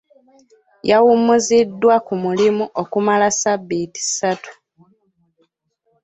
Yawummuziddwa ku mulimu okumala sabbiiti ssatu.